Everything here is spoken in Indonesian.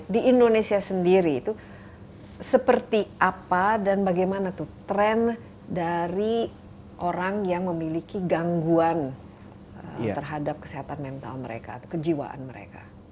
di indonesia sendiri itu seperti apa dan bagaimana tuh tren dari orang yang memiliki gangguan terhadap kesehatan mental mereka atau kejiwaan mereka